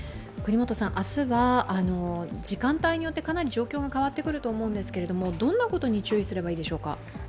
明日は時間帯によってかなり状況が変わってくると思うんですが、どんなことに注意すればいいでしょうか。